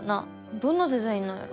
どんなデザインなんやろ。